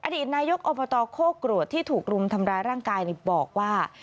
อดีตนายกอบตโคกรวดที่ถูกรุมทำร้ายร่างกายบอกว่า